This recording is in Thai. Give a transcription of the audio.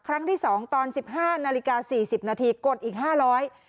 ครั้งที่๒ตอน๑๕นาฬิกา๔๐นาทีกดอีก๕๐๐บาท